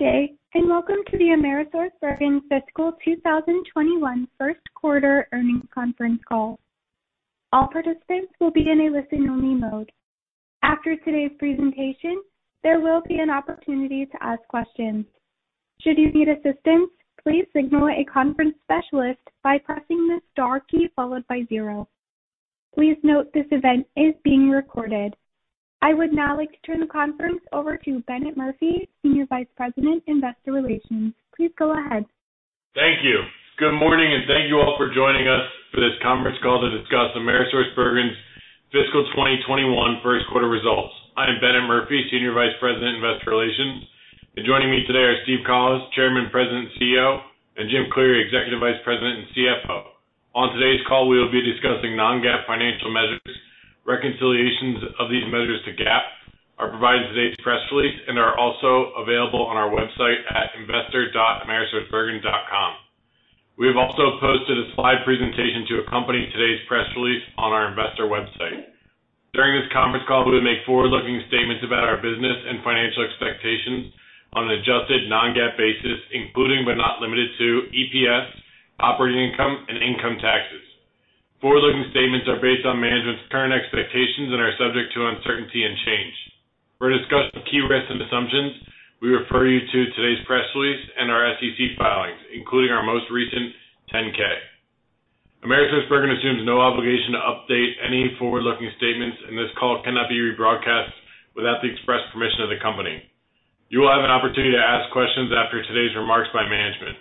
Good day, welcome to the AmerisourceBergen Fiscal 2021 First Quarter Earnings Conference Call. All participants will be in a listen-only mode. After today's presentation, there will be an opportunity to ask questions. Should you need assistance, please signal a conference specialist by pressing the star key followed by zero. Please note this event is being recorded. I would now like to turn the conference over to Bennett Murphy, Senior Vice President, Investor Relations. Please go ahead. Thank you. Good morning, and thank you all for joining us for this conference call to discuss AmerisourceBergen's fiscal 2021 first quarter results. I am Bennett Murphy, senior vice president, Investor Relations. Joining me today are Steve Collis, Chairman, President, CEO, and James Cleary, Executive Vice President and CFO. On today's call, we will be discussing non-GAAP financial measures. Reconciliations of these measures to GAAP are provided in today's press release and are also available on our website at investor.amerisourcebergen.com. We have also posted a slide presentation to accompany today's press release on our investor website. During this conference call, we will make forward-looking statements about our business and financial expectations on an adjusted non-GAAP basis, including but not limited to EPS, operating income, and income taxes. Forward-looking statements are based on management's current expectations and are subject to uncertainty and change. For a discussion of key risks and assumptions, we refer you to today's press release and our SEC filings, including our most recent 10-K. AmerisourceBergen assumes no obligation to update any forward-looking statements, and this call cannot be rebroadcast without the express permission of the company. You will have an opportunity to ask questions after today's remarks by management.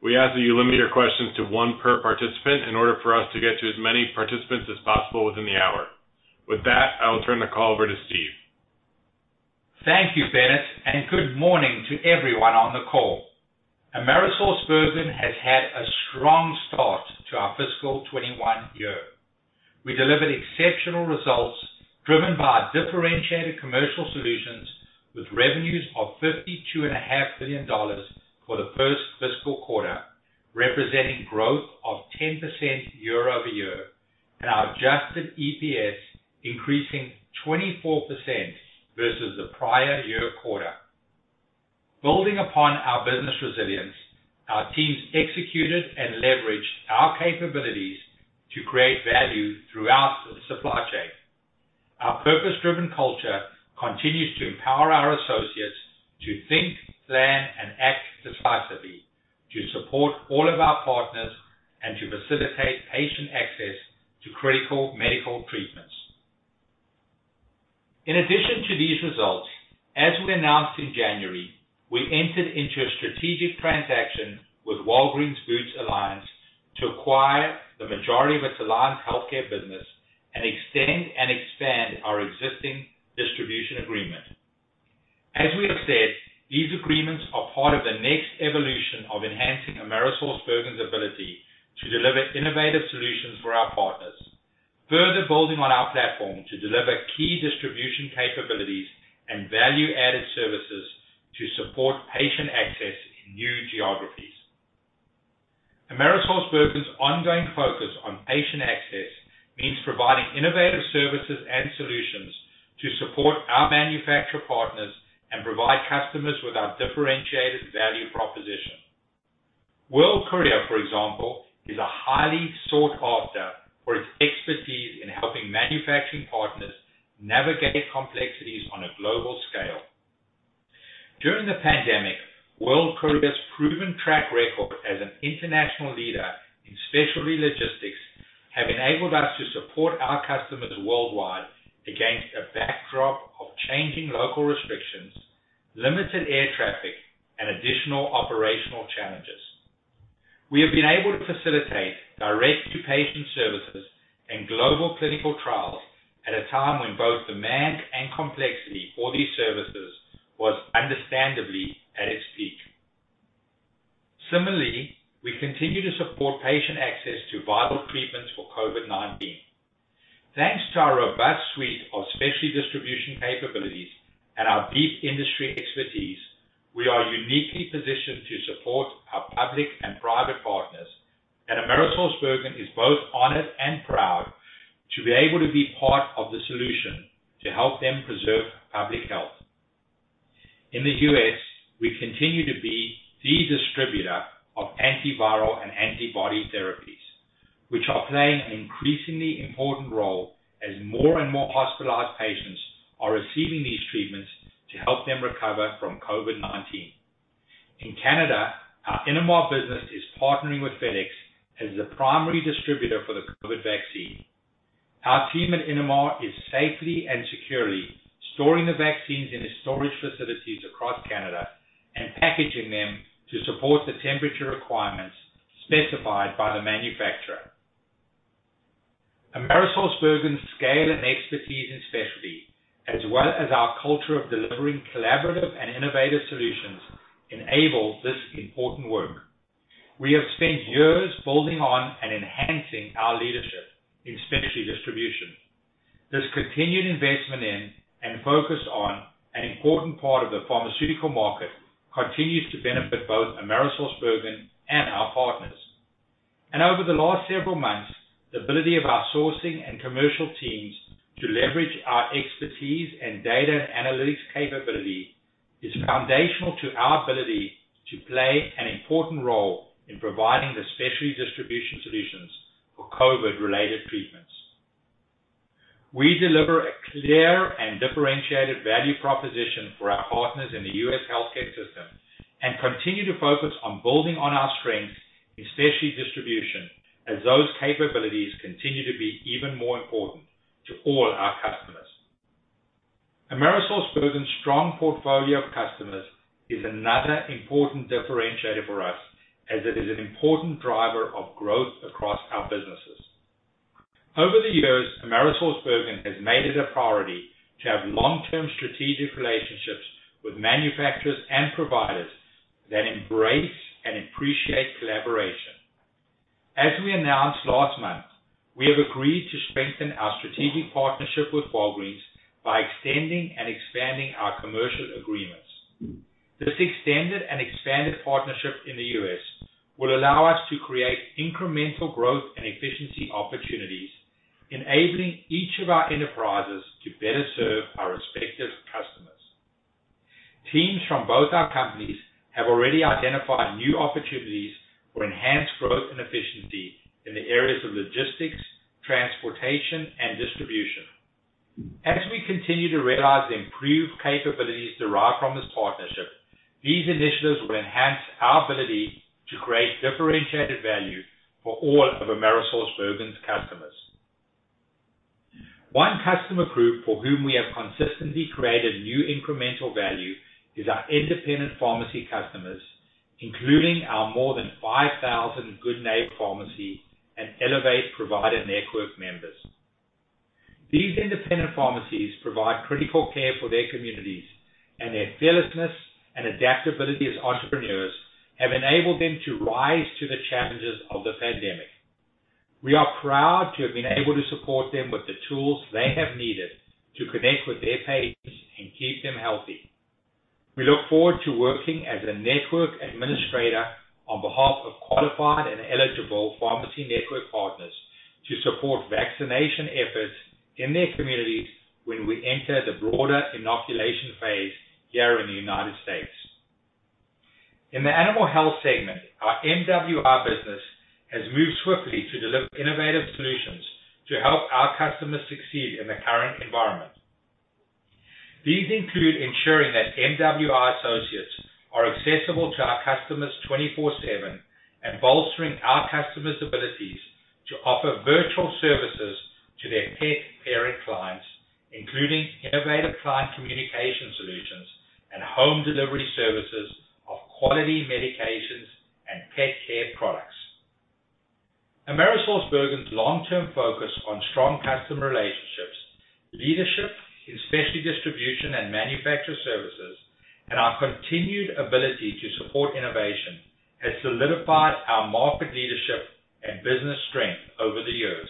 We ask that you limit your questions to one per participant in order for us to get to as many participants as possible within the hour. With that, I will turn the call over to Steve. Thank you, Bennett. Good morning to everyone on the call. AmerisourceBergen has had a strong start to our fiscal 2021 year. We delivered exceptional results driven by differentiated commercial solutions with revenues of $52.5 billion for the first fiscal quarter, representing growth of 10% year-over-year, and our adjusted EPS increasing 24% versus the prior year quarter. Building upon our business resilience, our teams executed and leveraged our capabilities to create value throughout the supply chain. Our purpose-driven culture continues to empower our associates to think, plan, and act decisively, to support all of our partners, and to facilitate patient access to critical medical treatments. In addition to these results, as we announced in January, we entered into a strategic transaction with Walgreens Boots Alliance to acquire the majority of its Alliance Healthcare business and extend and expand our existing distribution agreement. As we have said, these agreements are part of the next evolution of enhancing AmerisourceBergen's ability to deliver innovative solutions for our partners, further building on our platform to deliver key distribution capabilities and value-added services to support patient access in new geographies. AmerisourceBergen's ongoing focus on patient access means providing innovative services and solutions to support our manufacturer partners and provide customers with our differentiated value proposition. World Courier, for example, is highly sought after for its expertise in helping manufacturing partners navigate complexities on a global scale. During the pandemic, World Courier's proven track record as an international leader in specialty logistics have enabled us to support our customers worldwide against a backdrop of changing local restrictions, limited air traffic, and additional operational challenges. We have been able to facilitate direct-to-patient services and global clinical trials at a time when both demand and complexity for these services was understandably at its peak. Similarly, we continue to support patient access to vital treatments for COVID-19. Thanks to our robust suite of specialty distribution capabilities and our deep industry expertise, we are uniquely positioned to support our public and private partners, and AmerisourceBergen is both honored and proud to be able to be part of the solution to help them preserve public health. In the U.S., we continue to be the distributor of antiviral and antibody therapies, which are playing an increasingly important role as more and more hospitalized patients are receiving these treatments to help them recover from COVID-19. In Canada, our Innomar business is partnering with FedEx as the primary distributor for the COVID vaccine. Our team at Innomar is safely and securely storing the vaccines in its storage facilities across Canada and packaging them to support the temperature requirements specified by the manufacturer. AmerisourceBergen's scale and expertise in specialty, as well as our culture of delivering collaborative and innovative solutions, enable this important work. We have spent years building on and enhancing our leadership in specialty distribution. This continued investment in and focus on an important part of the pharmaceutical market continues to benefit both AmerisourceBergen and our partners. Over the last several months, the ability of our sourcing and commercial teams to leverage our expertise and data analytics capability is foundational to our ability to play an important role in providing the specialty distribution solutions for COVID-related treatments. We deliver a clear and differentiated value proposition for our partners in the U.S. healthcare system and continue to focus on building on our strengths in specialty distribution as those capabilities continue to be even more important to all our customers. AmerisourceBergen's strong portfolio of customers is another important differentiator for us, as it is an important driver of growth across our businesses. Over the years, AmerisourceBergen has made it a priority to have long-term strategic relationships with manufacturers and providers that embrace and appreciate collaboration. As we announced last month, we have agreed to strengthen our strategic partnership with Walgreens by extending and expanding our commercial agreements. This extended and expanded partnership in the U.S. will allow us to create incremental growth and efficiency opportunities, enabling each of our enterprises to better serve our respective customers. Teams from both our companies have already identified new opportunities for enhanced growth and efficiency in the areas of logistics, transportation, and distribution. As we continue to realize the improved capabilities derived from this partnership, these initiatives will enhance our ability to create differentiated value for all of AmerisourceBergen's customers. One customer group for whom we have consistently created new incremental value is our independent pharmacy customers, including our more than 5,000 Good Neighbor Pharmacy and Elevate Provider Network members. These independent pharmacies provide critical care for their communities, and their fearlessness and adaptability as entrepreneurs have enabled them to rise to the challenges of the pandemic. We are proud to have been able to support them with the tools they have needed to connect with their patients and keep them healthy. We look forward to working as a network administrator on behalf of qualified and eligible pharmacy network partners to support vaccination efforts in their communities when we enter the broader inoculation phase here in the United States. In the animal health segment, our MWI business has moved swiftly to deliver innovative solutions to help our customers succeed in the current environment. These include ensuring that MWI associates are accessible to our customers 24/7 and bolstering our customers' abilities to offer virtual services to their pet parent clients, including innovative client communication solutions and home delivery services of quality medications and pet care products. AmerisourceBergen's long-term focus on strong customer relationships, leadership in specialty distribution and manufacturer services, and our continued ability to support innovation has solidified our market leadership and business strength over the years.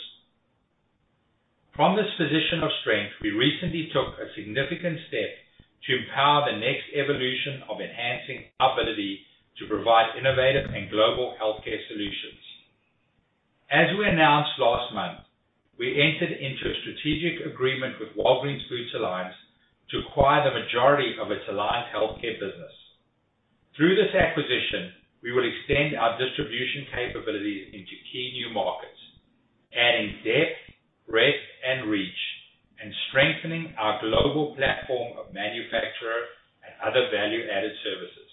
From this position of strength, we recently took a significant step to empower the next evolution of enhancing our ability to provide innovative and global healthcare solutions. As we announced last month, we entered into a strategic agreement with Walgreens Boots Alliance to acquire the majority of its Alliance Healthcare business. Through this acquisition, we will extend our distribution capabilities into key new markets, adding depth, breadth, and reach, and strengthening our global platform of manufacturer and other value-added services.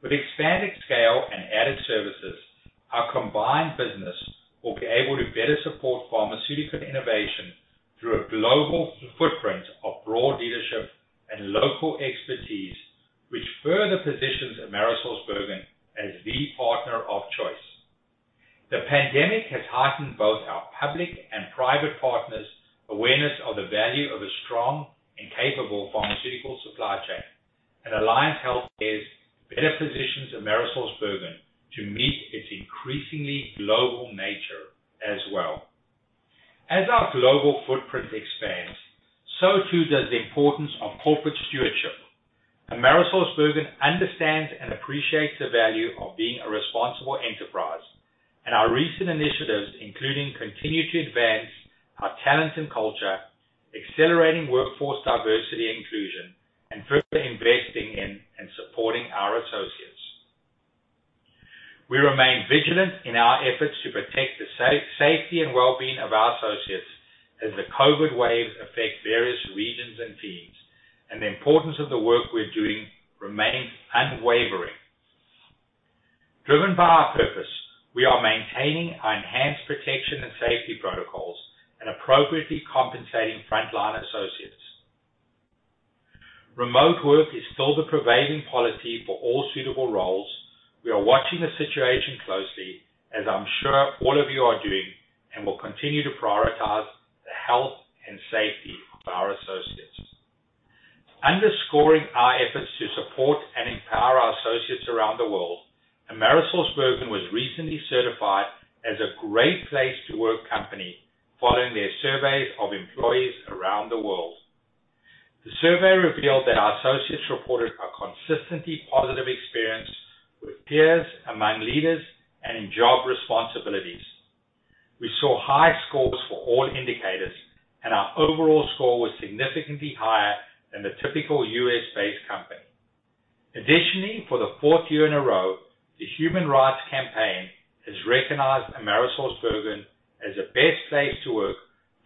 With expanded scale and added services, our combined business will be able to better support pharmaceutical innovation through a global footprint of broad leadership and local expertise, which further positions AmerisourceBergen as the partner of choice. The pandemic has heightened both our public and private partners' awareness of the value of a strong and capable pharmaceutical supply chain. Alliance Healthcare better positions AmerisourceBergen to meet its increasingly global nature as well. As our global footprint expands, so too does the importance of corporate stewardship. AmerisourceBergen understands and appreciates the value of being a responsible enterprise. Our recent initiatives including continue to advance our talent and culture, accelerating workforce diversity and inclusion, and further investing in and supporting our associates. We remain vigilant in our efforts to protect the safety and wellbeing of our associates as the COVID waves affect various regions and teams. The importance of the work we're doing remains unwavering. Driven by our purpose, we are maintaining our enhanced protection and safety protocols and appropriately compensating frontline associates. Remote work is still the prevailing policy for all suitable roles. We are watching the situation closely, as I'm sure all of you are doing, and will continue to prioritize the health and safety of our associates. Underscoring our efforts to support and empower our associates around the world, AmerisourceBergen was recently certified as a Great Place to Work company following their surveys of employees around the world. The survey revealed that our associates reported a consistently positive experience with peers, among leaders, and in job responsibilities. We saw high scores for all indicators, and our overall score was significantly higher than the typical U.S.-based company. Additionally, for the fourth year in a row, the Human Rights Campaign has recognized AmerisourceBergen as a best place to work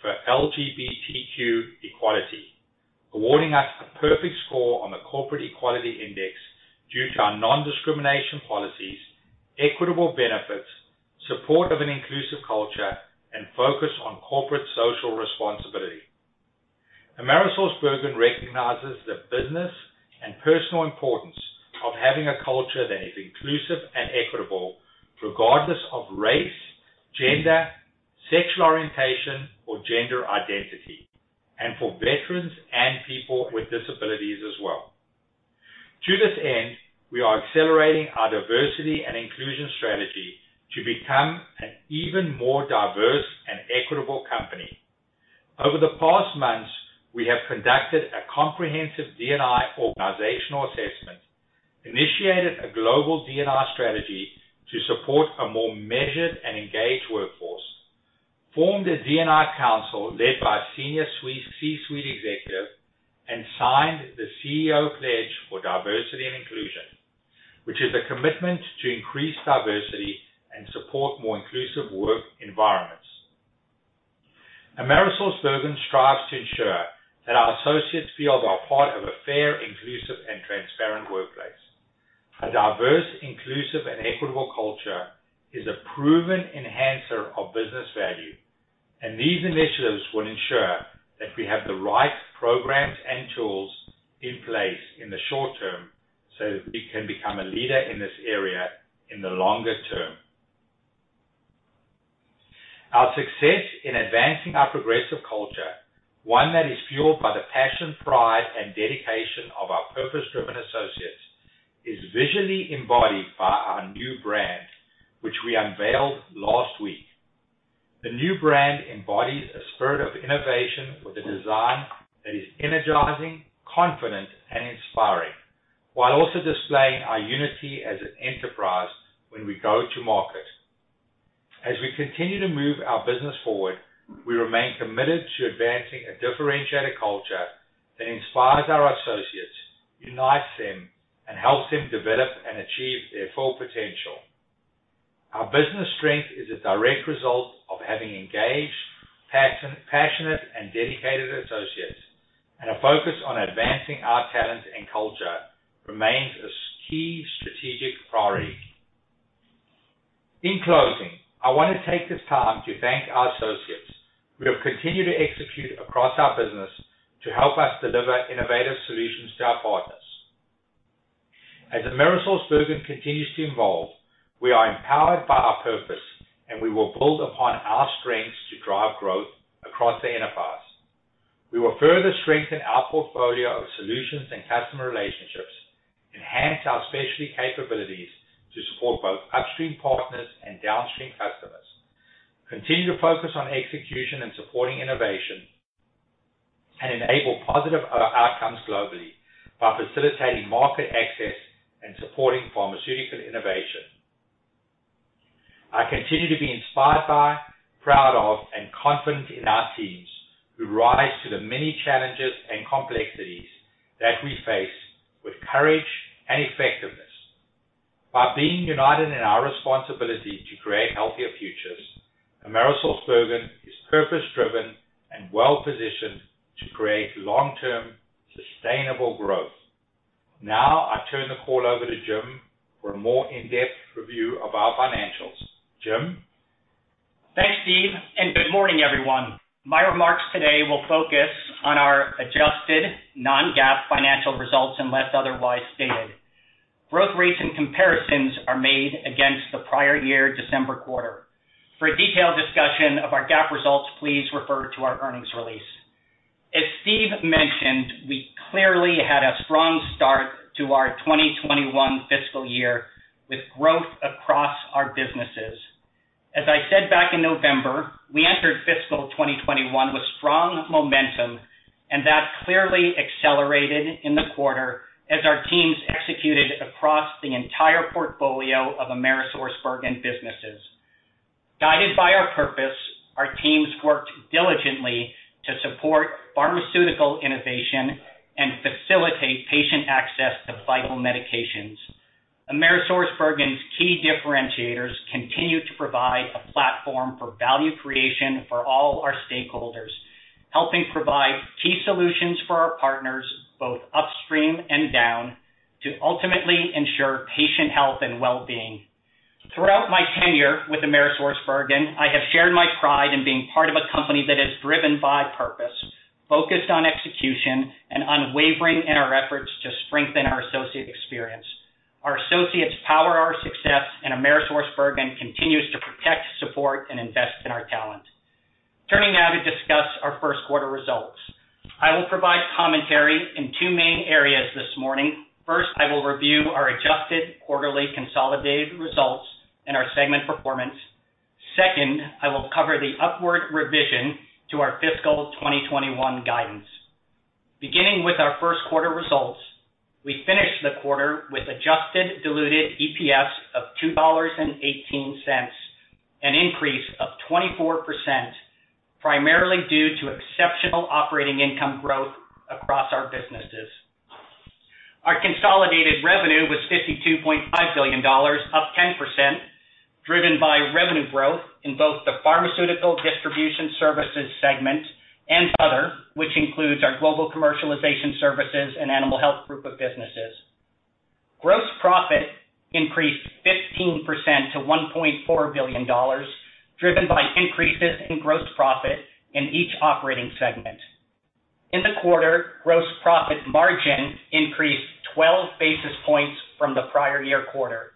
for LGBTQ equality, awarding us a perfect score on the Corporate Equality Index due to our non-discrimination policies, equitable benefits, support of an inclusive culture, and focus on corporate social responsibility. AmerisourceBergen recognizes the business and personal importance of having a culture that is inclusive and equitable regardless of race, gender, sexual orientation, or gender identity, and for veterans and people with disabilities as well. To this end, we are accelerating our diversity and inclusion strategy to become an even more diverse and equitable company. Over the past months, we have conducted a comprehensive D&I organizational assessment, initiated a global D&I strategy to support a more measured and engaged workforce, formed a D&I council led by senior C-suite executive, and signed the CEO pledge for Diversity and Inclusion, which is a commitment to increase diversity and support more inclusive work environments. AmerisourceBergen strives to ensure that our associates feel they are part of a fair, inclusive, and transparent workplace. A diverse, inclusive, and equitable culture is a proven enhancer of business value, and these initiatives will ensure that we have the right programs and tools in place in the short term so that we can become a leader in this area in the longer term. Our success in advancing our progressive culture, one that is fueled by the passion, pride, and dedication of our purpose-driven associates, is visually embodied by our new brand, which we unveiled last week. The new brand embodies a spirit of innovation with a design that is energizing, confident, and inspiring, while also displaying our unity as an enterprise when we go to market. As we continue to move our business forward, we remain committed to advancing a differentiated culture that inspires our associates, unites them, and helps them develop and achieve their full potential. Our business strength is a direct result of having engaged, passionate, and dedicated associates, and a focus on advancing our talent and culture remains a key strategic priority. In closing, I want to take this time to thank our associates who have continued to execute across our business to help us deliver innovative solutions to our partners. As AmerisourceBergen continues to evolve, we are empowered by our purpose, and we will build upon our strengths to drive growth across the enterprise. We will further strengthen our portfolio of solutions and customer relationships, enhance our specialty capabilities to support both upstream partners and downstream customers, continue to focus on execution and supporting innovation, and enable positive outcomes globally by facilitating market access and supporting pharmaceutical innovation. I continue to be inspired by, proud of, and confident in our teams, who rise to the many challenges and complexities that we face with courage and effectiveness. By being united in our responsibility to create healthier futures, AmerisourceBergen is purpose-driven and well-positioned to create long-term sustainable growth. Now I turn the call over to James for a more in-depth review of our financials. James? Thanks, Steve, and good morning, everyone. My remarks today will focus on our adjusted non-GAAP financial results unless otherwise stated. Growth rates and comparisons are made against the prior year December quarter. For a detailed discussion of our GAAP results, please refer to our earnings release. As Steve mentioned, we clearly had a strong start to our 2021 fiscal year with growth across our businesses. As I said back in November, we entered fiscal 2021 with strong momentum, and that clearly accelerated in the quarter as our teams executed across the entire portfolio of AmerisourceBergen businesses. Guided by our purpose, our teams worked diligently to support pharmaceutical innovation and facilitate patient access to vital medications. AmerisourceBergen's key differentiators continue to provide a platform for value creation for all our stakeholders, helping provide key solutions for our partners, both upstream and down, to ultimately ensure patient health and well-being. Throughout my tenure with AmerisourceBergen, I have shared my pride in being part of a company that is driven by purpose, focused on execution, and unwavering in our efforts to strengthen our associate experience. AmerisourceBergen continues to protect, support, and invest in our talent. Turning now to discuss our first quarter results. I will provide commentary in two main areas this morning. First, I will review our adjusted quarterly consolidated results and our segment performance. Second, I will cover the upward revision to our fiscal 2021 guidance. Beginning with our first quarter results, we finished the quarter with adjusted diluted EPS of $2.18, an increase of 24%, primarily due to exceptional operating income growth across our businesses. Our consolidated revenue was $52.5 billion, up 10%, driven by revenue growth in both the Pharmaceutical Distribution Services segment and other, which includes our Global Commercialization Services and Animal Health Group of businesses. Gross profit increased 15% to $1.4 billion, driven by increases in gross profit in each operating segment. In the quarter, gross profit margin increased 12 basis points from the prior year quarter.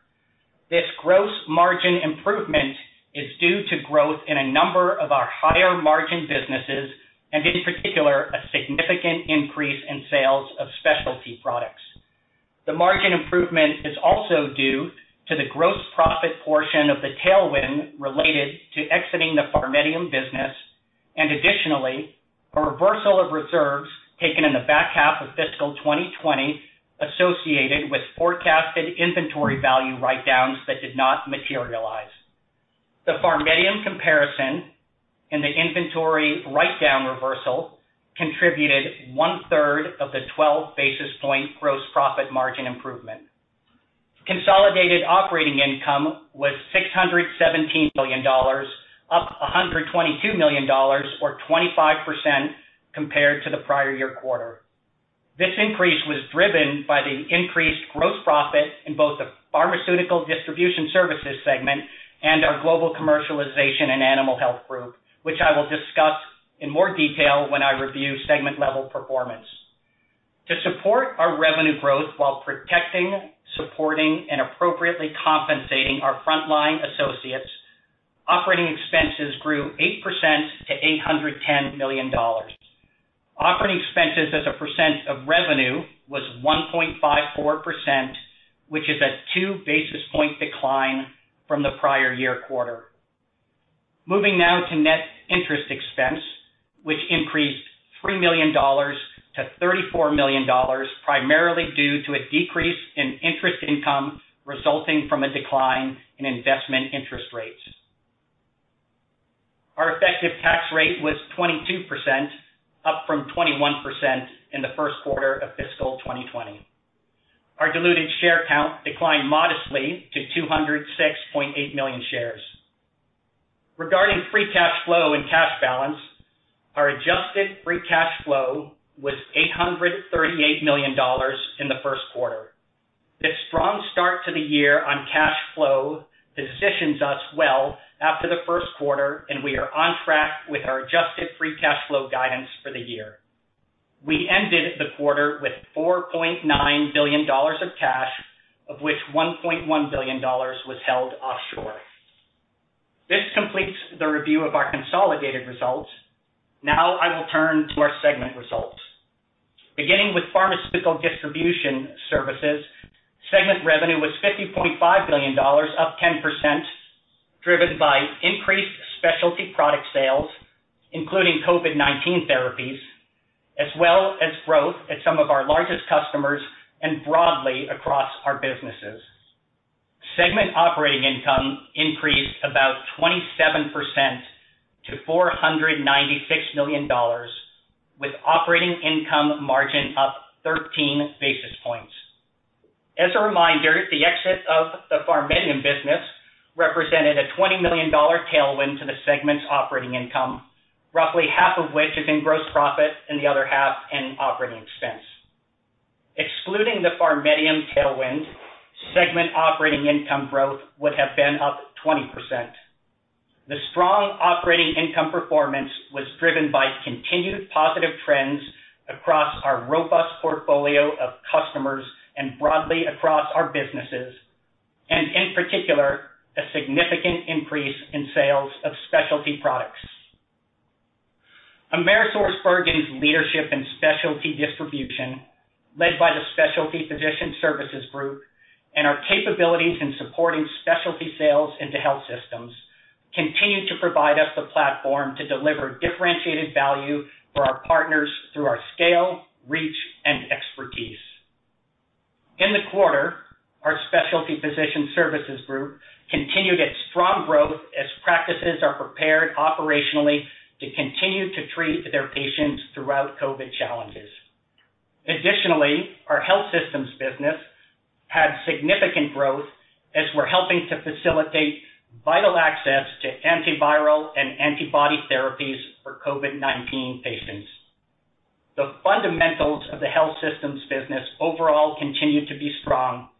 This gross margin improvement is due to growth in a number of our higher-margin businesses, and in particular, a significant increase in sales of specialty products. The margin improvement is also due to the gross profit portion of the tailwind related to exiting the PharMEDium business, and additionally, a reversal of reserves taken in the back half of fiscal 2020 associated with forecasted inventory value write-downs that did not materialize. The PharMEDium comparison and the inventory write-down reversal contributed 4/3 of the 12 basis point gross profit margin improvement. Consolidated operating income was $617 million, up $122 million, or 25%, compared to the prior year quarter. This increase was driven by the increased gross profit in both the Pharmaceutical Distribution Services segment and our Global Commercialization and Animal Health Group, which I will discuss in more detail when I review segment-level performance. To support our revenue growth while protecting, supporting, and appropriately compensating our frontline associates, operating expenses grew 8% to $810 million. Operating expenses as a percent of revenue was 1.54%, which is a two basis point decline from the prior year quarter. Moving now to net interest expense, which increased $3 million to $34 million, primarily due to a decrease in interest income resulting from a decline in investment interest rates. Our effective tax rate was 22%, up from 21% in the first quarter of fiscal 2020. Our diluted share count declined modestly to 206.8 million shares. Regarding free cash flow and cash balance, our adjusted free cash flow was $838 million in the first quarter. This strong start to the year on cash flow positions us well after the first quarter, and we are on track with our adjusted free cash flow guidance for the year. We ended the quarter with $4.9 billion of cash, of which $1.1 billion was held offshore. This completes the review of our consolidated results. Now I will turn to our segment results. Beginning with Pharmaceutical Distribution Services, segment revenue was $50.5 billion, up 10%, driven by increased specialty product sales, including COVID-19 therapies, as well as growth at some of our largest customers and broadly across our businesses. Segment operating income increased about 27% to $496 million with operating income margin up 13 basis points. As a reminder, the exit of the PharMEDium business represented a $20 million tailwind to the segment's operating income, roughly half of which is in gross profit and the other half in operating expense. Excluding the PharMEDium tailwind, segment operating income growth would have been up 20%. The strong operating income performance was driven by continued positive trends across our robust portfolio of customers and broadly across our businesses, and in particular, a significant increase in sales of specialty products. AmerisourceBergen's leadership in specialty distribution, led by the Specialty Physician Services group, and our capabilities in supporting specialty sales into health systems continue to provide us the platform to deliver differentiated value for our partners through our scale, reach, and expertise. In the quarter, our Specialty Physician Services group continued its strong growth as practices are prepared operationally to continue to treat their patients throughout COVID challenges. Our health systems business had significant growth as we're helping to facilitate vital access to antiviral and antibody therapies for COVID-19 patients. The fundamentals of the health systems business overall continue to be strong,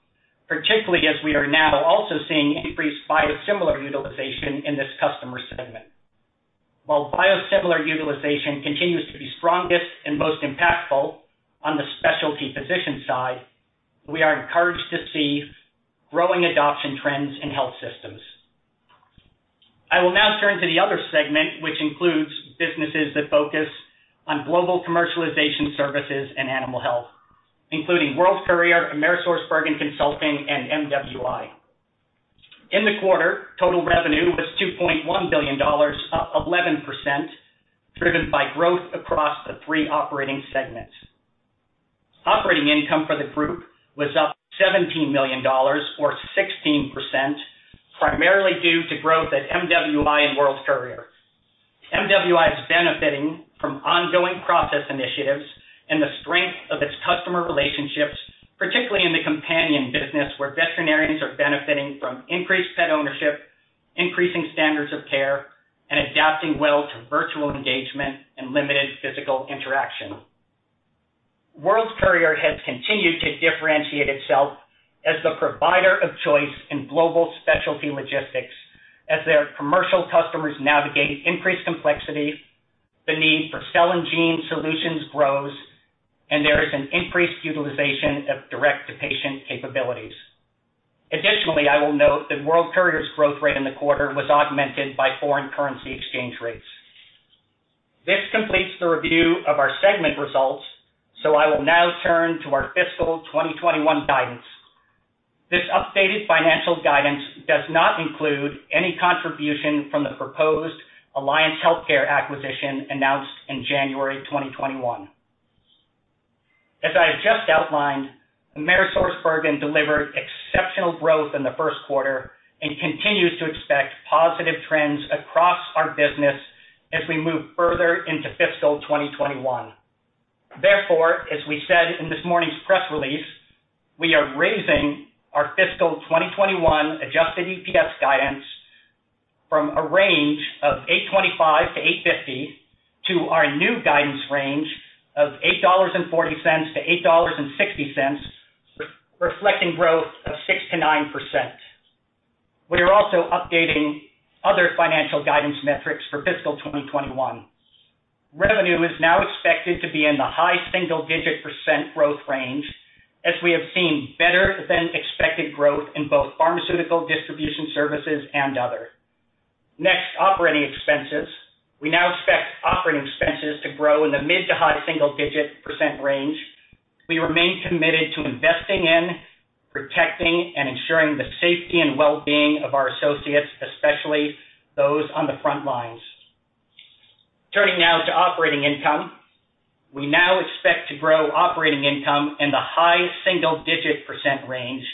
particularly as we are now also seeing increased biosimilar utilization in this customer segment. While biosimilar utilization continues to be strongest and most impactful on the specialty physician side, we are encouraged to see growing adoption trends in health systems. I will now turn to the Other segment, which includes businesses that focus on Global Commercialization Services and Animal Health, including World Courier, AmerisourceBergen Consulting, and MWI. In the quarter, total revenue was $2.1 billion, up 11%, driven by growth across the three operating segments. Operating income for the group was up $17 million or 16%, primarily due to growth at MWI and World Courier. MWI is benefiting from ongoing process initiatives and the strength of its customer relationships, particularly in the companion business, where veterinarians are benefiting from increased pet ownership, increasing standards of care, and adapting well to virtual engagement and limited physical interaction. World Courier has continued to differentiate itself as the provider of choice in global specialty logistics as their commercial customers navigate increased complexity, the need for cell and gene solutions grows, and there is an increased utilization of direct-to-patient capabilities. Additionally, I will note that World Courier's growth rate in the quarter was augmented by foreign currency exchange rates. This completes the review of our segment results, so I will now turn to our fiscal 2021 guidance. This updated financial guidance does not include any contribution from the proposed Alliance Healthcare acquisition announced in January 2021. As I have just outlined, AmerisourceBergen delivered exceptional growth in the first quarter and continues to expect positive trends across our business as we move further into fiscal 2021. As we said in this morning's press release, we are raising our fiscal 2021 adjusted EPS guidance from a range of $8.25-$8.50 to our new guidance range of $8.40-$8.60, reflecting growth of 6%-9%. We are also updating other financial guidance metrics for fiscal 2021. Revenue is now expected to be in the high single-digit % growth range, as we have seen better than expected growth in both Pharmaceutical Distribution Services and other. Next, operating expenses. We now expect operating expenses to grow in the mid to high single-digit % range. We remain committed to investing in, protecting and ensuring the safety and wellbeing of our associates, especially those on the front lines. Turning now to operating income. We now expect to grow operating income in the high single-digit % range.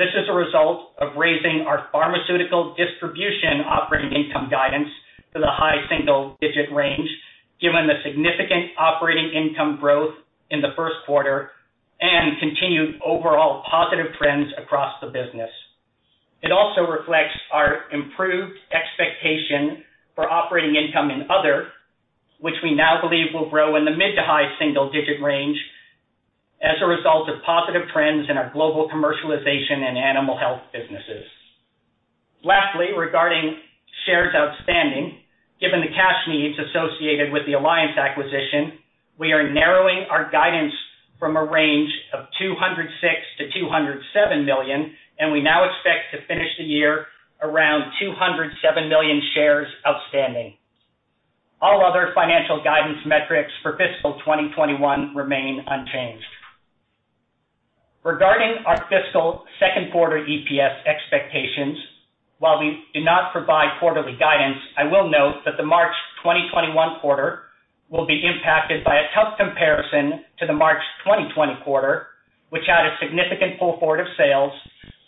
This is a result of raising our pharmaceutical distribution operating income guidance to the high single-digit range, given the significant operating income growth in the first quarter and continued overall positive trends across the business. It also reflects our improved expectation for operating income in other, which we now believe will grow in the mid to high single-digit range as a result of positive trends in our global commercialization and animal health businesses. Lastly, regarding shares outstanding, given the cash needs associated with the Alliance acquisition, we are narrowing our guidance from a range of 206 million-207 million, and we now expect to finish the year around 207 million shares outstanding. All other financial guidance metrics for fiscal 2021 remain unchanged. Regarding our fiscal second quarter EPS expectations, while we do not provide quarterly guidance, I will note that the March 2021 quarter will be impacted by a tough comparison to the March 2020 quarter, which had a significant pull forward of sales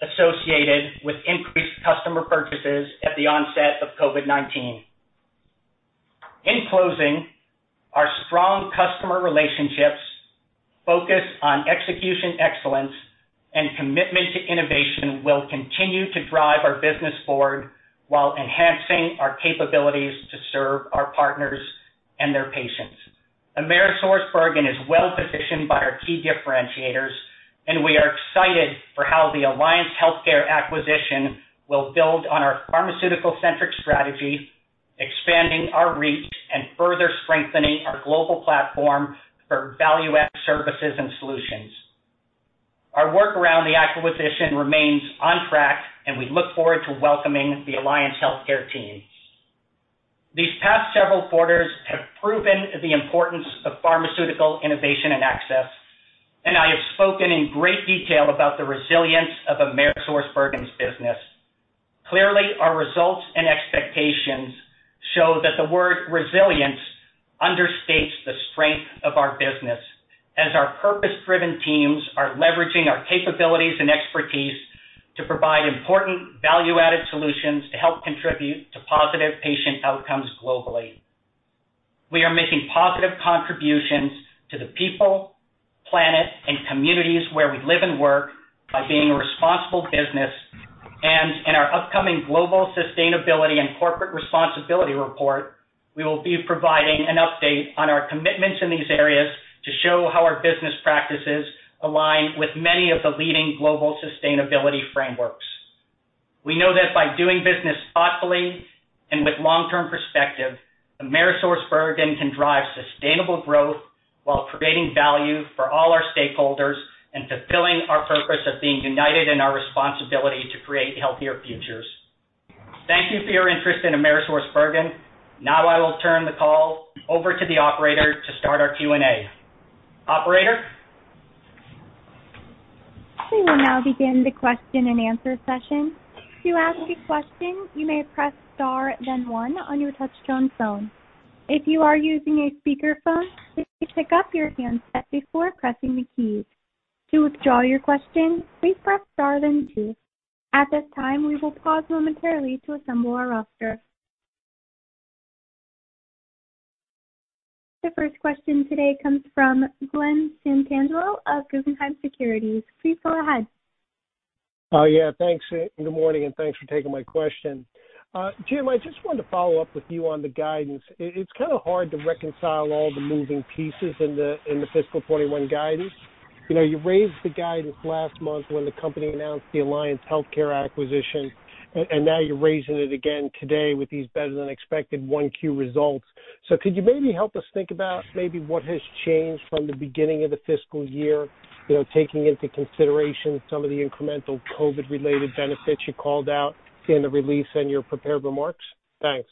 associated with increased customer purchases at the onset of COVID-19. In closing, our strong customer relationships, focus on execution excellence, and commitment to innovation will continue to drive our business forward while enhancing our capabilities to serve our partners and their patients. AmerisourceBergen is well-positioned by our key differentiators. We are excited for how the Alliance Healthcare acquisition will build on our pharmaceutical-centric strategy, expanding our reach and further strengthening our global platform for value-add services and solutions. Our work around the acquisition remains on track, and we look forward to welcoming the Alliance Healthcare team. These past several quarters have proven the importance of pharmaceutical innovation and access. I have spoken in great detail about the resilience of AmerisourceBergen's business. Clearly, our results and expectations show that the word resilience understates the strength of our business, as our purpose-driven teams are leveraging our capabilities and expertise to provide important value-added solutions to help contribute to positive patient outcomes globally. We are making positive contributions to the people, planet, and communities where we live and work by being a responsible business. In our upcoming Global Sustainability and Corporate Responsibility Report, we will be providing an update on our commitments in these areas to show how our business practices align with many of the leading global sustainability frameworks. We know that by doing business thoughtfully and with long-term perspective, AmerisourceBergen can drive sustainable growth while creating value for all our stakeholders and fulfilling our purpose of being united in our responsibility to create healthier futures. Thank you for your interest in AmerisourceBergen. Now I will turn the call over to the operator to start our Q&A. Operator? We will now begin the question and answer session. To ask a question, you may press star then one on your touch-tone phone. If you are using a speakerphone, please pick up your handset before pressing the keys. To withdraw your question, please press star then two. At this time, we will pause momentarily to assemble our roster. The first question today comes from Glen Santangelo of Guggenheim Securities. Please go ahead. Yeah. Thanks. Good morning, and thanks for taking my question. James, I just wanted to follow up with you on the guidance. It's kind of hard to reconcile all the moving pieces in the fiscal 2021 guidance. You raised the guidance last month when the company announced the Alliance Healthcare acquisition, and now you're raising it again today with these better than expected 1Q results. Could you maybe help us think about maybe what has changed from the beginning of the fiscal year, taking into consideration some of the incremental COVID-related benefits you called out in the release in your prepared remarks? Thanks.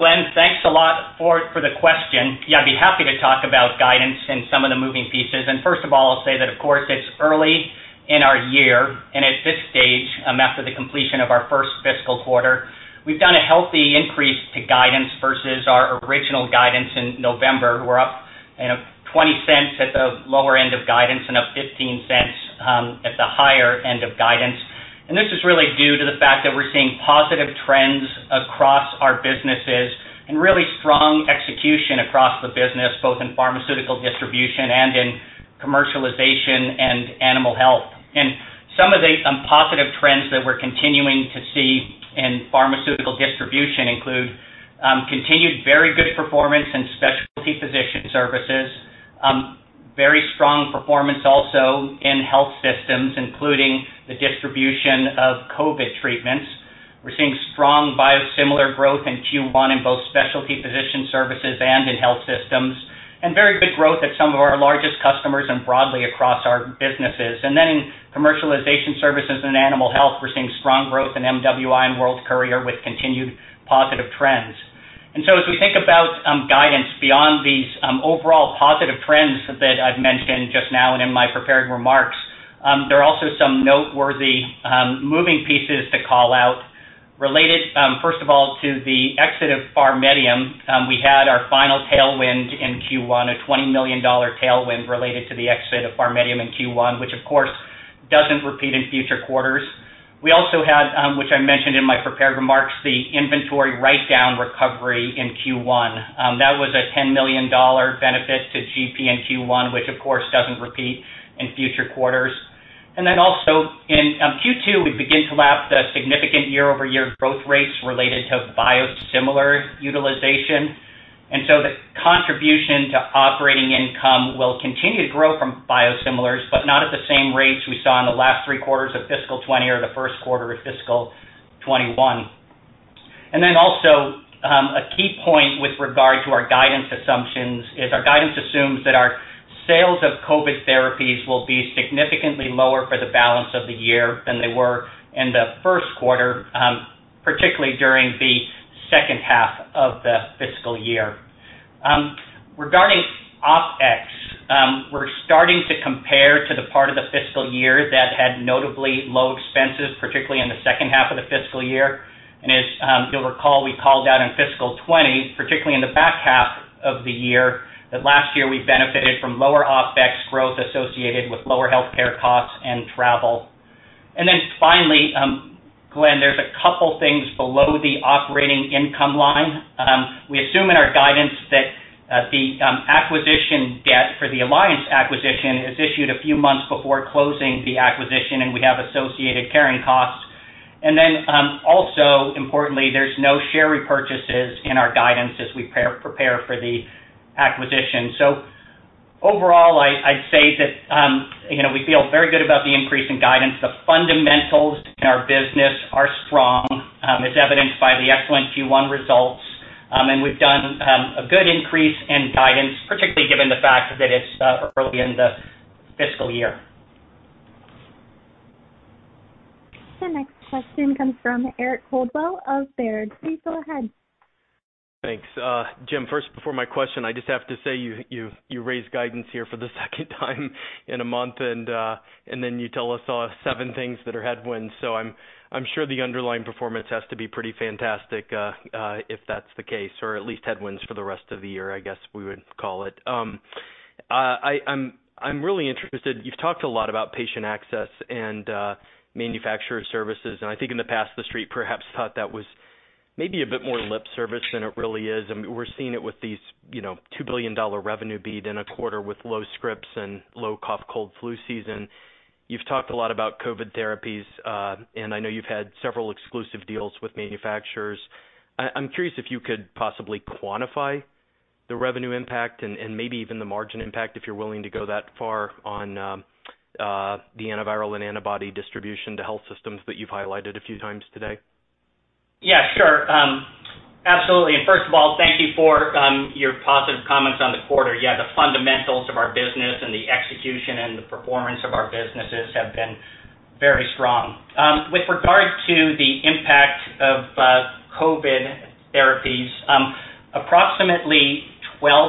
Glen, thanks a lot for the question. Yeah, I'd be happy to talk about guidance and some of the moving pieces. First of all, I'll say that, of course, it's early in our year, and at this stage, after the completion of our first fiscal quarter, we've done a healthy increase to guidance versus our original guidance in November. We're up $0.20 at the lower end of guidance and up $0.15 at the higher end of guidance. This is really due to the fact that we're seeing positive trends across our businesses and really strong execution across the business, both in pharmaceutical distribution and in commercialization and animal health. Some of the positive trends that we're continuing to see in pharmaceutical distribution include continued very good performance in Specialty Physician Services. Very strong performance also in health systems, including the distribution of COVID treatments. We're seeing strong biosimilar growth in Q1 in both Specialty Physician Services and in health systems, very good growth at some of our largest customers and broadly across our businesses. In Commercialization Services and Animal Health, we're seeing strong growth in MWI and World Courier with continued positive trends. As we think about guidance beyond these overall positive trends that I've mentioned just now and in my prepared remarks, there are also some noteworthy moving pieces to call out related, first of all, to the exit of PharMEDium. We had our final tailwind in Q1, a $20 million tailwind related to the exit of PharMEDium in Q1, which of course, doesn't repeat in future quarters. We also had, which I mentioned in my prepared remarks, the inventory write-down recovery in Q1. That was a $10 million benefit to GP in Q1, which of course, doesn't repeat in future quarters. Then also in Q2, we begin to lap the significant year-over-year growth rates related to biosimilar utilization. So the contribution to operating income will continue to grow from biosimilars, but not at the same rates we saw in the last three quarters of fiscal 2020 or the first quarter of fiscal 2021. Then also, a key point with regard to our guidance assumptions is our guidance assumes that our sales of COVID therapies will be significantly lower for the balance of the year than they were in the first quarter, particularly during the second half of the fiscal year. Regarding OpEx, we're starting to compare to the part of the fiscal year that had notably low expenses, particularly in the second half of the fiscal year. As you'll recall, we called out in fiscal 2020, particularly in the back half of the year, that last year we benefited from lower OpEx growth associated with lower healthcare costs and travel. Finally, Glen, there's two things below the operating income line. We assume in our guidance that the acquisition debt for the Alliance acquisition is issued a few months before closing the acquisition, and we have associated carrying costs. Also importantly, there's no share repurchases in our guidance as we prepare for the acquisition. Overall, I'd say that we feel very good about the increase in guidance. The fundamentals in our business are strong, as evidenced by the excellent Q1 results. We've done a good increase in guidance, particularly given the fact that it's early in the fiscal year. The next question comes from Eric Coldwell of Baird. Please go ahead. Thanks. James, first, before my question, I just have to say, you raised guidance here for the second time in a month, you tell us seven things that are headwinds. I'm sure the underlying performance has to be pretty fantastic if that's the case, or at least headwinds for the rest of the year, I guess we would call it. I'm really interested. You've talked a lot about patient access and manufacturer services, I think in the past, the Street perhaps thought that was maybe a bit more lip service than it really is. We're seeing it with these $2 billion revenue beat in a quarter with low scripts and low cough, cold, flu season. You've talked a lot about COVID therapies, I know you've had several exclusive deals with manufacturers. I'm curious if you could possibly quantify the revenue impact and maybe even the margin impact, if you're willing to go that far on the antiviral and antibody distribution to health systems that you've highlighted a few times today. Yeah, sure. Absolutely. First of all, thank you for your positive comments on the quarter. The fundamentals of our business and the execution and the performance of our businesses have been very strong. With regard to the impact of COVID therapies, approximately $0.12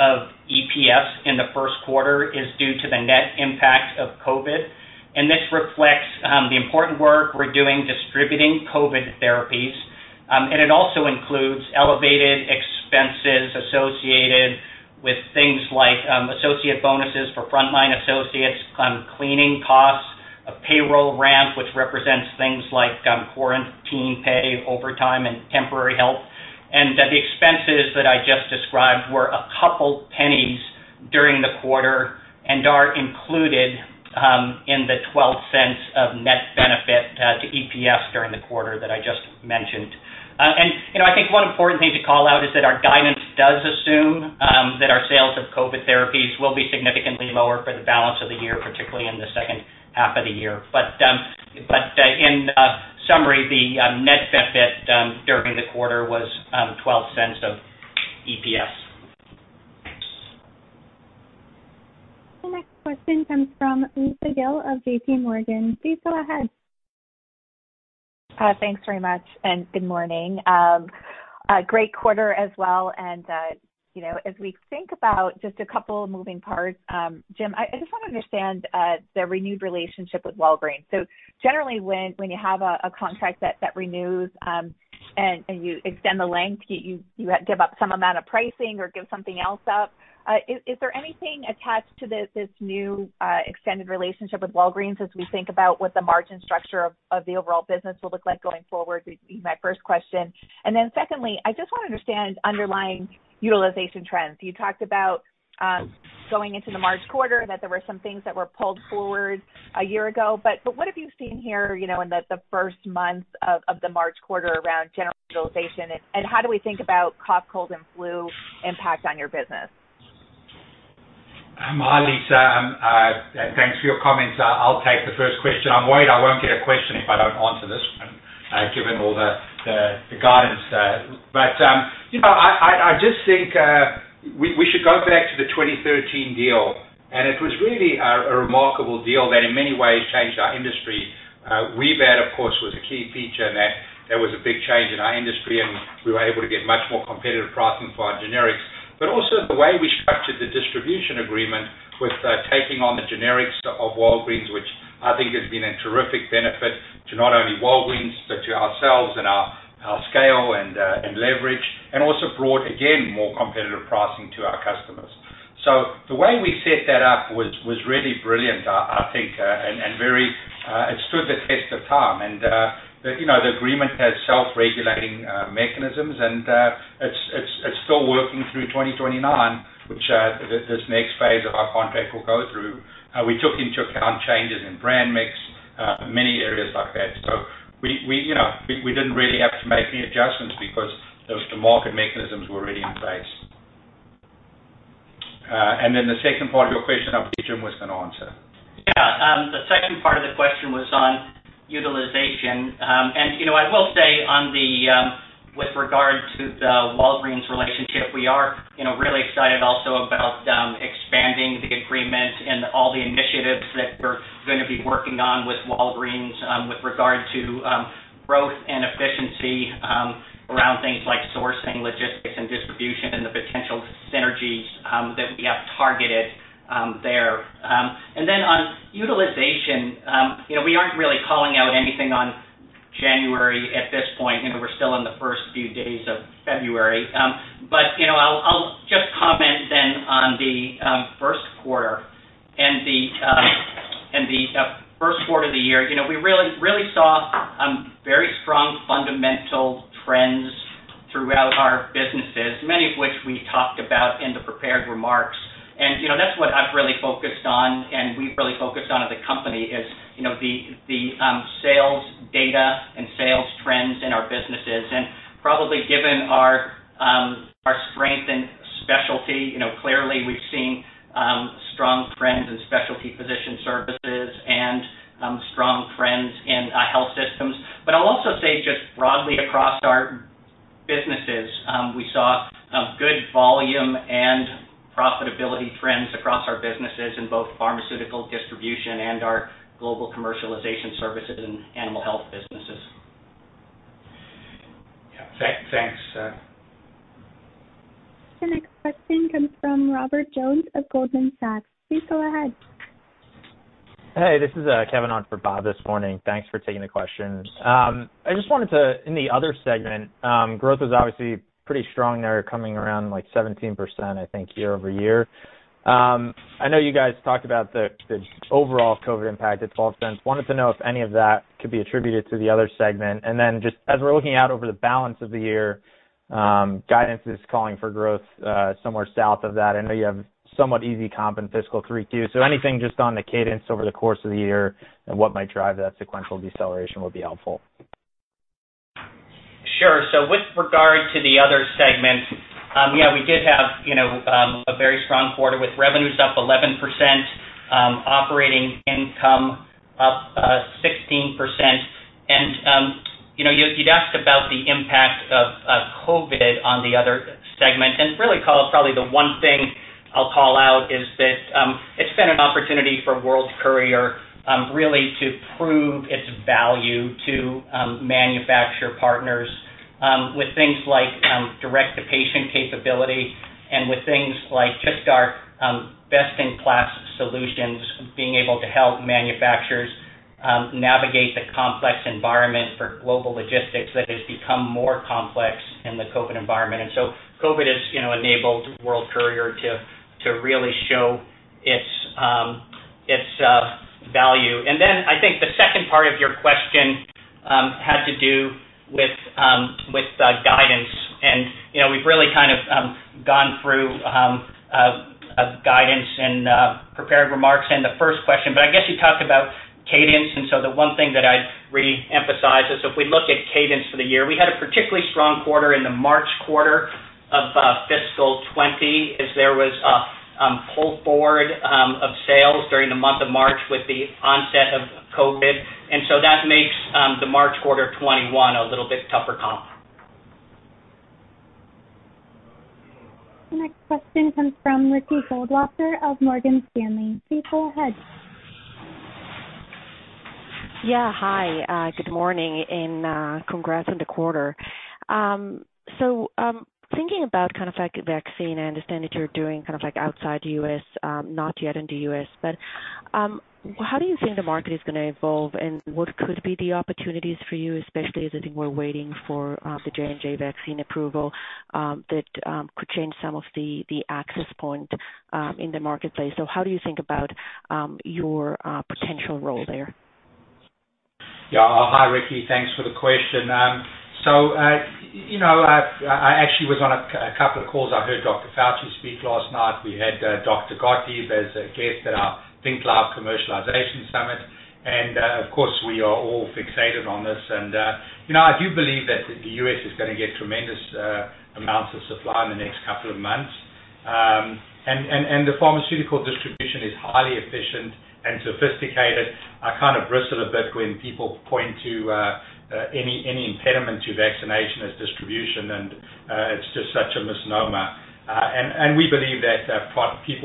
of EPS in the first quarter is due to the net impact of COVID, and this reflects the important work we're doing distributing COVID therapies. It also includes elevated expenses associated with things like associate bonuses for frontline associates on cleaning costs, a payroll ramp, which represents things like quarantine pay, overtime, and temporary help. The expenses that I just described were $0.02 during the quarter and are included in the $0.12 of net benefit to EPS during the quarter that I just mentioned. I think one important thing to call out is that our guidance does assume that our sales of COVID therapies will be significantly lower for the balance of the year, particularly in the second half of the year. In summary, the net benefit during the quarter was $0.12 of EPS. The next question comes from Lisa Gill of JPMorgan. Please go ahead. Thanks very much, and good morning. Great quarter as well. As we think about just a couple of moving parts, James, I just want to understand the renewed relationship with Walgreens. Generally, when you have a contract that renews and you extend the length, you give up some amount of pricing or give something else up. Is there anything attached to this new extended relationship with Walgreens as we think about what the margin structure of the overall business will look like going forward? Would be my first question. Secondly, I just want to understand underlying utilization trends. You talked about going into the March quarter and that there were some things that were pulled forward a year ago. What have you seen here in the first months of the March quarter around general utilization, and how do we think about cough, cold, and flu impact on your business? Hi, Lisa. Thanks for your comments. I'll take the first question. I'm worried I won't get a question if I don't answer this one, given all the guidance. I just think we should go back to the 2013 deal. It was really a remarkable deal that in many ways changed our industry. Rebate, of course, was a key feature in that. That was a big change in our industry. We were able to get much more competitive pricing for our generics. Also the way we structured the distribution agreement with taking on the generics of Walgreens, which I think has been a terrific benefit to not only Walgreens but to ourselves and our scale and leverage, and also brought, again, more competitive pricing to our customers. The way we set that up was really brilliant, I think. It stood the test of time. The agreement has self-regulating mechanisms, and it's still working through 2029, which this next phase of our contract will go through. We took into account changes in brand mix, many areas like that. We didn't really have to make any adjustments because the market mechanisms were already in place. The second part of your question, I'll let James with an answer. Yeah. The second part of the question was on utilization. I will say with regard to the Walgreens relationship, we are really excited also about expanding the agreement and all the initiatives that we're going to be working on with Walgreens with regard to growth and efficiency around things like sourcing, logistics, and distribution and the potential synergies that we have targeted there. On utilization, we aren't really calling out anything on January at this point. We're still in the first few days of February. I'll just comment then on the first quarter. The first quarter of the year, we really saw very strong fundamental trends throughout our businesses, many of which we talked about in the prepared remarks. That's what I've really focused on and we've really focused on as a company is the sales data and sales trends in our businesses. Probably given our strength in specialty, clearly we've seen strong trends in Specialty Physician Services and strong trends in health systems. I'll also say just broadly across our businesses, we saw good volume and profitability trends across our businesses in both Pharmaceutical Distribution Services and our Global Commercialization Services and animal health businesses. Yeah. Thanks. The next question comes from Robert Jones of Goldman Sachs. Please go ahead. Hey, this is Kevin on for Bob this morning. Thanks for taking the question. In the other segment, growth was obviously pretty strong there, coming around 17%, I think, year-over-year. I know you guys talked about the overall COVID impact at $0.12. I wanted to know if any of that could be attributed to the other segment. Just as we're looking out over the balance of the year, guidance is calling for growth somewhere south of that. I know you have somewhat easy comp in fiscal 3Q. Anything just on the cadence over the course of the year and what might drive that sequential deceleration would be helpful. Sure. With regard to the other segment, yeah, we did have a very strong quarter with revenues up 11%. Income up 16%. You'd asked about the impact of COVID on the other segment, and really, probably the one thing I'll call out is that it's been an opportunity for World Courier really to prove its value to manufacturer partners with things like direct-to-patient capability and with things like just our best-in-class solutions, being able to help manufacturers navigate the complex environment for global logistics that has become more complex in the COVID environment. So COVID has enabled World Courier to really show its value. I think the second part of your question had to do with guidance and we've really kind of gone through guidance and prepared remarks in the first question. I guess you talked about cadence. The one thing that I'd re-emphasize is if we look at cadence for the year, we had a particularly strong quarter in the March quarter of fiscal 2020 as there was a pull forward of sales during the month of March with the onset of COVID. That makes the March quarter of 2021 a little bit tougher comp. The next question comes from Ricky Goldwasser of Morgan Stanley. Please go ahead. Yeah. Hi, good morning, and congrats on the quarter. Thinking about vaccine, I understand that you're doing outside the U.S., not yet in the U.S., how do you think the market is going to evolve and what could be the opportunities for you, especially as I think we're waiting for the J&J vaccine approval that could change some of the access point in the marketplace. How do you think about your potential role there? Yeah. Hi, Ricky. Thanks for the question. I actually was on a couple of calls. I heard Dr. Fauci speak last night. We had Dr. Gottlieb as a guest at our ThinkLive Commercialization Summit, of course, we are all fixated on this. I do believe that the U.S. is going to get tremendous amounts of supply in the next couple of months. The pharmaceutical distribution is highly efficient and sophisticated. I kind of bristle a bit when people point to any impediment to vaccination as distribution and it's just such a misnomer. We believe that well, the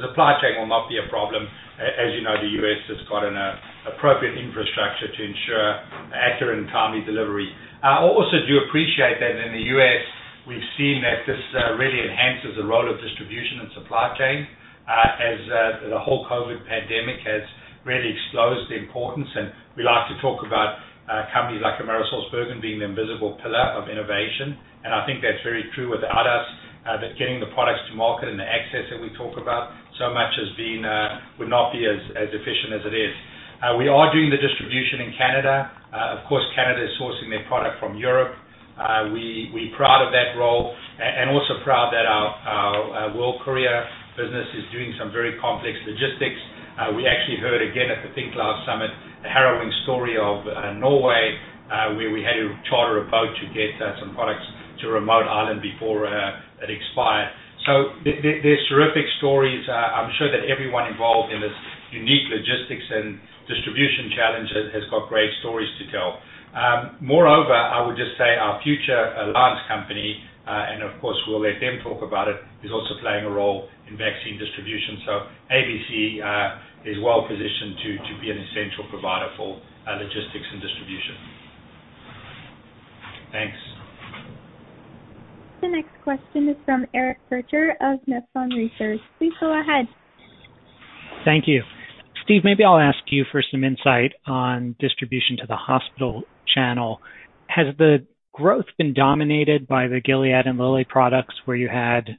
supply chain will not be a problem. As you know, the U.S. has got an appropriate infrastructure to ensure accurate and timely delivery. I also do appreciate that in the U.S. we've seen that this really enhances the role of distribution and supply chain, as the whole COVID pandemic has really exposed the importance. We like to talk about companies like AmerisourceBergen being the invisible pillar of innovation. I think that's very true without us, that getting the products to market and the access that we talk about so much would not be as efficient as it is. We are doing the distribution in Canada. Of course, Canada is sourcing their product from Europe. We're proud of that role and also proud that our World Courier business is doing some very complex logistics. We actually heard again at the ThinkLive Summit, the harrowing story of Norway, where we had to charter a boat to get some products to a remote island before it expired. There's terrific stories. I'm sure that everyone involved in this unique logistics and distribution challenge has got great stories to tell. Moreover, I would just say our future Alliance company, and of course, we'll let them talk about it, is also playing a role in vaccine distribution. ABC is well positioned to be an essential provider for logistics and distribution. Thanks. The next question is from Eric Percher of Nephron Research. Please go ahead. Thank you. Steve, maybe I'll ask you for some insight on distribution to the hospital channel. Has the growth been dominated by the Gilead and Lilly products where you had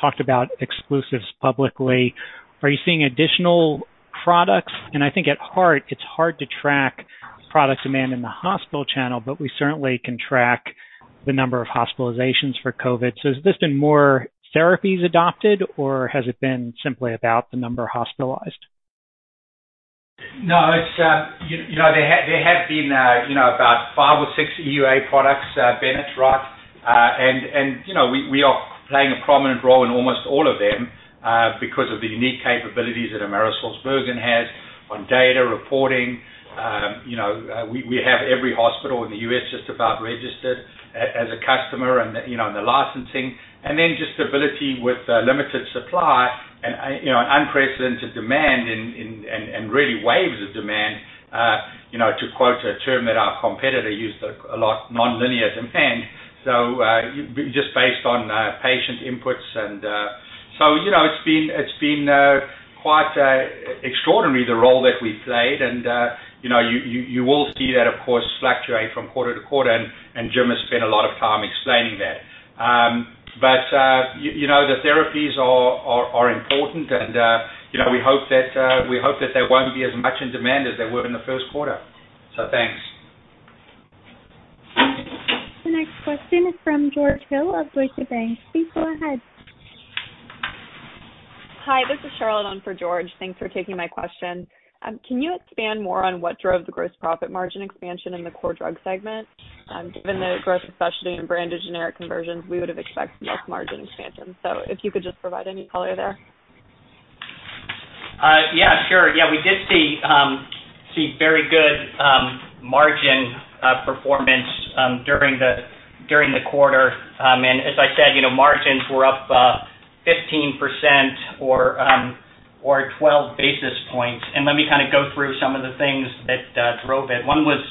talked about exclusives publicly? Are you seeing additional products? I think at heart, it's hard to track product demand in the hospital channel, but we certainly can track the number of hospitalizations for COVID. Has this been more therapies adopted or has it been simply about the number hospitalized? No, there have been about five or six EUA products, Bennett, right? We are playing a prominent role in almost all of them because of the unique capabilities that AmerisourceBergen has on data reporting. We have every hospital in the U.S. just about registered as a customer and the licensing and then just stability with limited supply and unprecedented demand and really waves of demand, to quote a term that our competitor used a lot, nonlinear demand. Just based on patient inputs and so it's been quite extraordinary the role that we played. You will see that, of course, fluctuate from quarter to quarter, and James has spent a lot of time explaining that. The therapies are important and we hope that there won't be as much in demand as there were in the first quarter. Thanks. The next question is from George Hill of Deutsche Bank. Please go ahead. Hi, this is Charlotte on for George. Thanks for taking my question. Can you expand more on what drove the gross profit margin expansion in the core drug segment? Given the growth of specialty and branded generic conversions, we would've expected less margin expansion. If you could just provide any color there. Yeah, sure. We did see very good margin performance during the quarter. As I said, margins were up 15% or 12 basis points. Let me go through some of the things that drove it. One was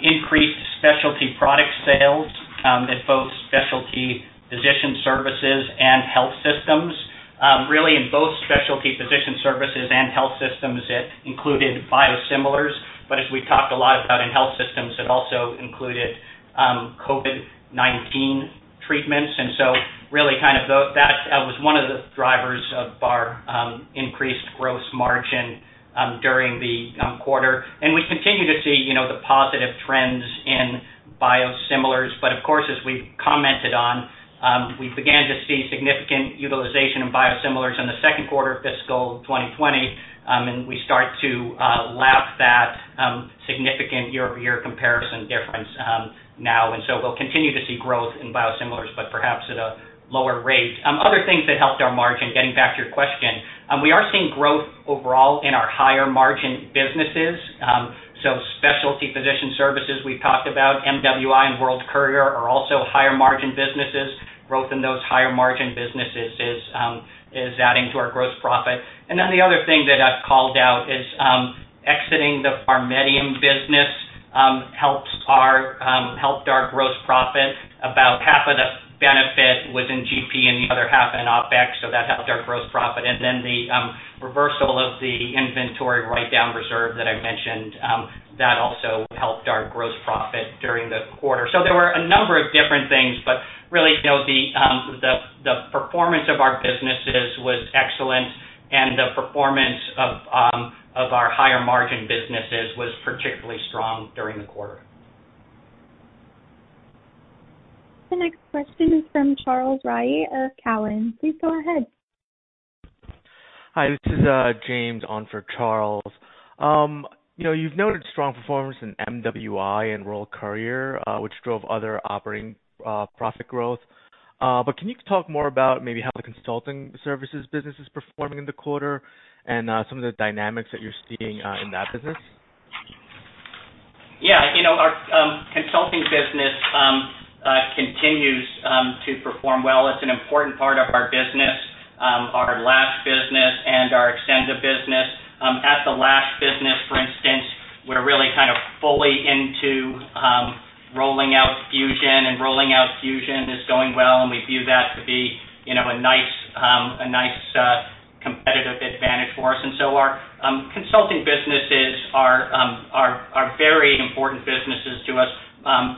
increased specialty product sales at both Specialty Physician Services and health systems. Really in both Specialty Physician Services and health systems, it included biosimilars. As we've talked a lot about in health systems, it also included COVID-19 treatments. So really that was one of the drivers of our increased gross margin during the quarter. We continue to see the positive trends in biosimilars. Of course, as we've commented on, we began to see significant utilization in biosimilars in the second quarter of fiscal 2020. We start to lap that significant year-over-year comparison difference now. We'll continue to see growth in biosimilars, but perhaps at a lower rate. Other things that helped our margin, getting back to your question, we are seeing growth overall in our higher margin businesses. Specialty Physician Services we talked about, MWI and World Courier are also higher margin businesses. Growth in those higher margin businesses is adding to our gross profit. The other thing that I've called out is exiting the PharMEDium business helped our gross profit. About half of the benefit was in GP and the other half in OPEX, so that helped our gross profit. The reversal of the inventory write-down reserve that I mentioned, that also helped our gross profit during the quarter. There were a number of different things, but really, the performance of our businesses was excellent, and the performance of our higher margin businesses was particularly strong during the quarter. The next question is from Charles Rhyee of Cowen. Please go ahead. Hi, this is James on for Charles. You've noted strong performance in MWI and World Courier, which drove other operating profit growth. Can you talk more about maybe how the consulting services business is performing in the quarter and some of the dynamics that you're seeing in that business? Our consulting business continues to perform well. It's an important part of our business, our Lash business and our Xcenda business. At the Lash business, for instance, we're really fully into rolling out Fusion, and rolling out Fusion is going well, and we view that to be a nice competitive advantage for us. Our consulting businesses are very important businesses to us,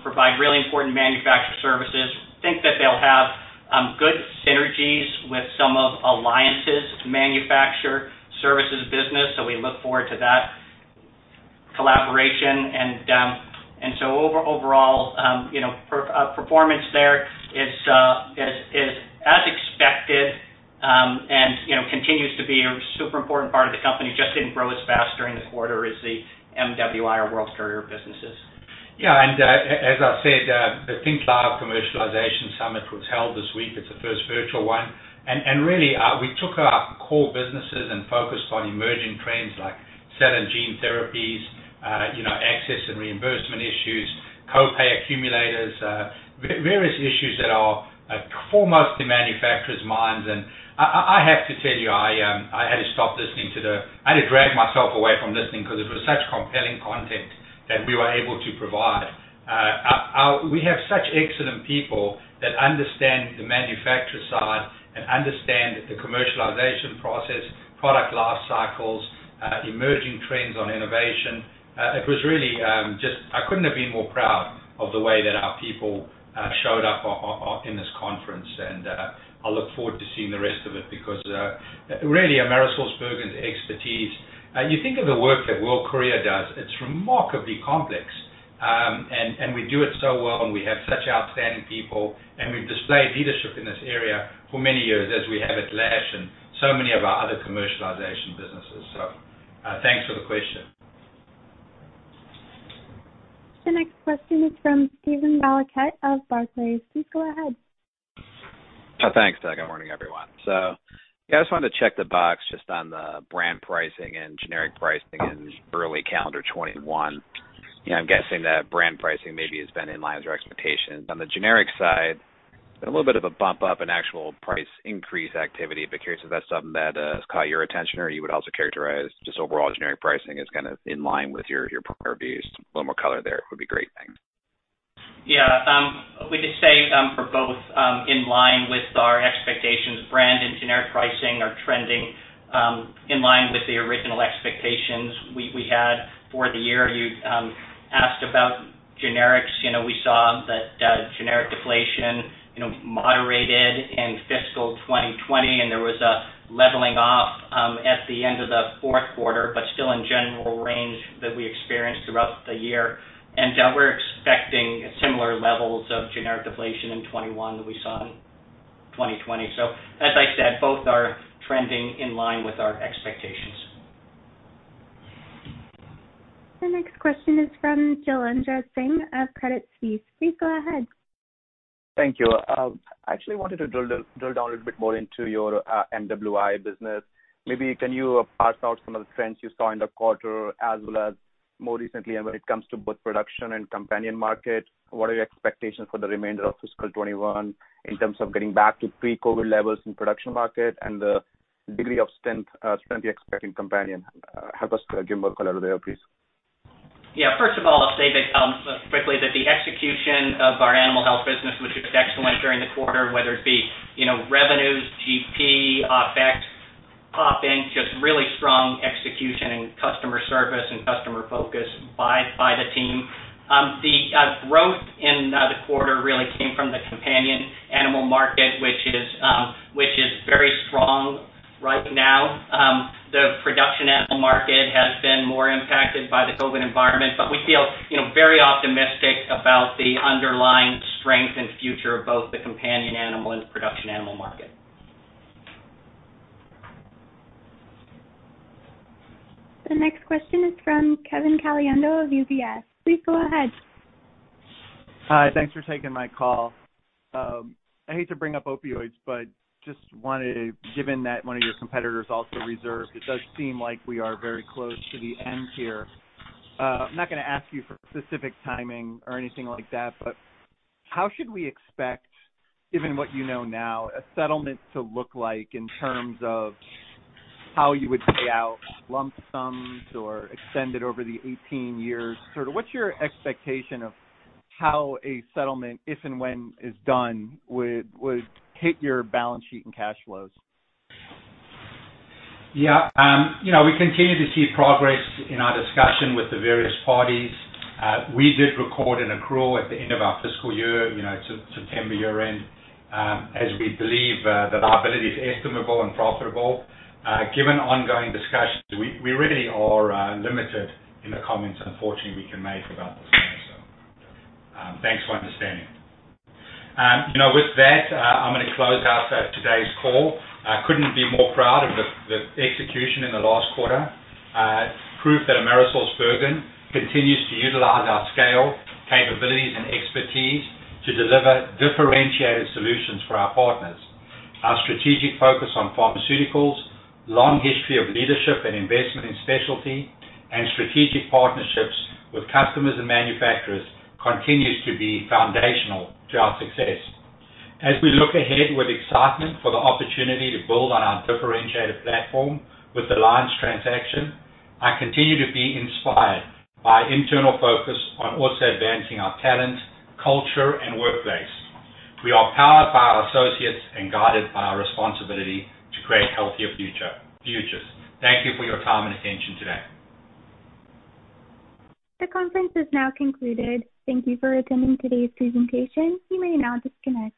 provide really important manufacturer services. We think that they'll have good synergies with some of Alliance's manufacturer services business, so we look forward to that collaboration. Overall, performance there is as expected, and continues to be a super important part of the company. They just didn't grow as fast during the quarter as the MWI or World Courier businesses. As I've said, the ThinkLive Commercialization Summit was held this week. It's the first virtual one. Really, we took our core businesses and focused on emerging trends like cell and gene therapies, access and reimbursement issues, co-pay accumulators, various issues that are foremost in manufacturers' minds. I have to tell you, I had to drag myself away from listening because it was such compelling content that we were able to provide. We have such excellent people that understand the manufacturer side and understand the commercialization process, product life cycles, emerging trends on innovation. I couldn't have been more proud of the way that our people showed up in this conference. I'll look forward to seeing the rest of it because really AmerisourceBergen's expertise, you think of the work that World Courier does, it's remarkably complex. We do it so well, and we have such outstanding people, and we've displayed leadership in this area for many years as we have at Lash and so many of our other commercialization businesses. Thanks for the question. The next question is from Steven Valiquette of Barclays. Please go ahead. Thanks. Good morning, everyone. I just wanted to check the box just on the brand pricing and generic pricing in early calendar 2021. I'm guessing that brand pricing maybe has been in line with your expectations. On the generic side, been a little bit of a bump up in actual price increase activity. Be curious if that's something that has caught your attention or you would also characterize just overall generic pricing as in line with your prior views. A little more color there would be great, thanks. Yeah. We could say for both in line with our expectations, brand and generic pricing are trending in line with the original expectations we had for the year. You asked about generics. We saw that generic deflation moderated in fiscal 2020, and there was a level that we experienced throughout the year. We're expecting similar levels of generic deflation in 2021 that we saw in 2020. As I said, both are trending in line with our expectations. The next question is from Jailendra Singh of Credit Suisse. Please go ahead. Thank you. I actually wanted to drill down a little bit more into your MWI business. Maybe can you parse out some of the trends you saw in the quarter as well as more recently and when it comes to both production and companion market, what are your expectations for the remainder of fiscal 2021 in terms of getting back to pre-COVID levels in production market and the degree of strength you're expecting companion? Help us give more color there, please. First of all, I'll say that, quickly that the execution of our animal health business, which was excellent during the quarter, whether it be revenues, GP, EBIT, profit, just really strong execution and customer service and customer focus by the team. The growth in the quarter really came from the companion animal market, which is very strong right now. The production animal market has been more impacted by the COVID environment, we feel very optimistic about the underlying strength and future of both the companion animal and production animal market. The next question is from Kevin Caliendo of UBS. Please go ahead. Hi. Thanks for taking my call. I hate to bring up opioids, but just wanted to, given that one of your competitors also reserved, it does seem like we are very close to the end here. I'm not going to ask you for specific timing or anything like that, but how should we expect, given what you know now, a settlement to look like in terms of how you would pay out lump sums or extend it over the 18 years? Sort of what's your expectation of how a settlement, if and when is done, would hit your balance sheet and cash flows? Yeah. We continue to see progress in our discussion with the various parties. We did record an accrual at the end of our fiscal year, September year-end, as we believe that our liability is estimable and profitable. Given ongoing discussions, we really are limited in the comments unfortunately we can make about this matter. Thanks for understanding. With that, I'm going to close out today's call. Couldn't be more proud of the execution in the last quarter. Proof that AmerisourceBergen continues to utilize our scale, capabilities, and expertise to deliver differentiated solutions for our partners. Our strategic focus on pharmaceuticals, long history of leadership and investment in specialty, and strategic partnerships with customers and manufacturers continues to be foundational to our success. As we look ahead with excitement for the opportunity to build on our differentiated platform with Alliance transaction, I continue to be inspired by internal focus on also advancing our talent, culture, and workplace. We are powered by our associates and guided by our responsibility to create healthier futures. Thank you for your time and attention today. The conference is now concluded. Thank you for attending today's presentation. You may now disconnect.